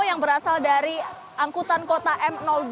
yang berasal dari angkutan kota m dua